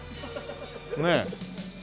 ねえ。